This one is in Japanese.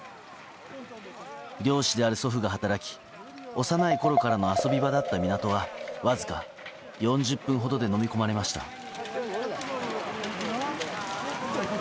漁師である祖父が働き幼いころからの遊び場だった港はわずか４０分ほどでのみ込まれました。